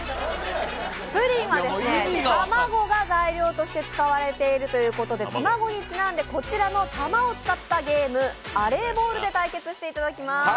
プリンは卵が材料として使われているということで卵にちなんで、こちらの玉を使ったゲームアレーボールで対決してもらいます。